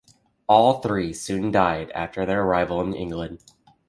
All three soon died after their arrival in England.